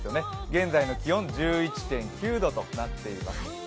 現在の気温１１．９度となっています。